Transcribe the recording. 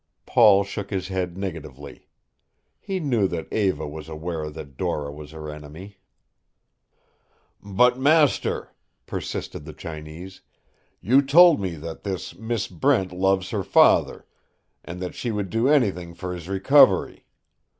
Paul shook his head negatively. He knew that Eva was aware that Dora was her enemy. "But, master," persisted the Chinese, "you told me that this Miss Brent loves her father, and that she would do anything for his recovery.